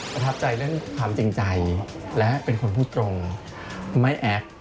ประทับใจเรื่องความจริงใจและเป็นคนพูดตรงไม่แอค